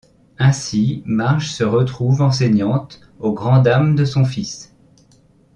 Ainsi Marge se retrouve enseignante au grand dam de son fils.